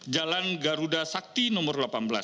jalan garuda sakti nomor delapan belas